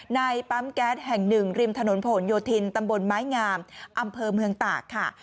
ในปั๊มแก๊สแห่งหนึ่งริมถนนผลโยธินตำบลไม้งามอำเภอเมืองตากค่ะ